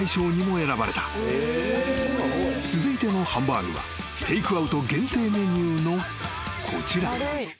［続いてのハンバーグはテークアウト限定メニューのこちら］